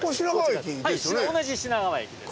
同じ品川駅です。